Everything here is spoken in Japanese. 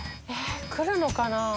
来るのかな？